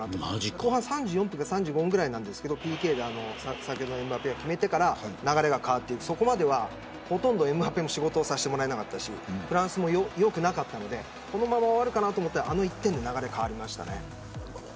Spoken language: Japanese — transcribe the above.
後半の３４分か３５分ぐらいにＰＫをエムバペが決めてから流れが変わってそこまでは、ほとんどエムバぺも仕事をさせてもらっていなかったしフランスも良くなかったのでこのまま終わるかなと思ったらあの１点で流れが変わりましたね。